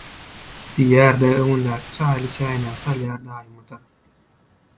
diýýär-de, öňündäki çaýly çäýnegi salýar daýyma tarap.